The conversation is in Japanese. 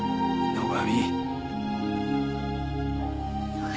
野上。